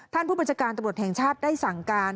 ท่านผู้บัญชาการตำรวจแห่งชาติได้สั่งการ